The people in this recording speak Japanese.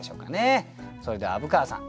それでは虻川さん